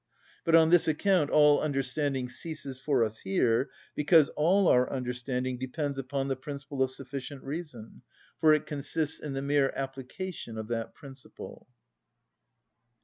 But on this account all understanding ceases for us here, because all our understanding depends upon the principle of sufficient reason, for it consists in the mere application of that principle.